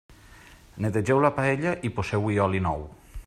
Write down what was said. Netegeu la paella i poseu-hi oli nou.